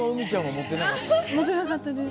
持ってなかったです。